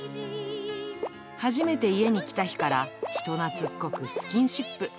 初めて家に来た日から人懐っこくスキンシップ。